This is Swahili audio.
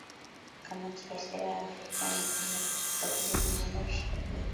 kamati ya sera ya fedha na kamati ya ukaguzi zimeundwa kisheria